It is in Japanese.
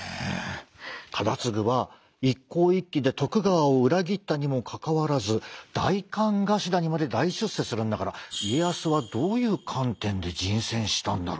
忠次は一向一揆で徳川を裏切ったにもかかわらず代官頭にまで大出世するんだから私も家康さんの思考回路が知りたいです！